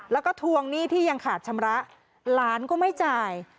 แล้วก็ทวงหนี้ที่ยังขาดชำระหลานก็ไม่จ่าย